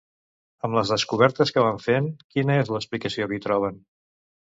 Amb les descobertes que van fent, quina és l'explicació que hi troben?